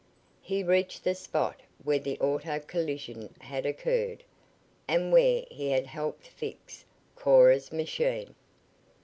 He reached the spot where the auto collision had occurred, and where he had helped fix Cora's machine.